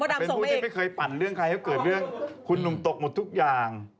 เป็นผู้ที่ไม่เคยปั่นเรื่องใครให้เกิดเรื่องคุณหนุ่มตกหมดทุกอย่าง